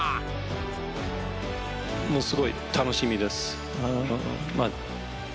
すごい楽しみです。